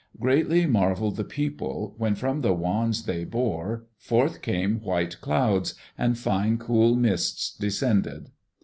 Greatly marvelled the people, when from the wands they bore forth came white clouds, and fine cool mists descended.